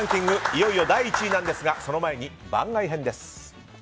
いよいよ第１位ですがその前に番外編です。